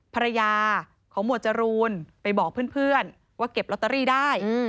ภรรยาของหมวดจรูนไปบอกเพื่อนว่าเก็บลอตเตอรี่ได้